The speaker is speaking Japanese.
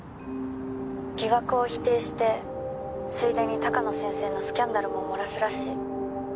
疑惑を否定してついでに鷹野先生のスキャンダルも漏らすらしい。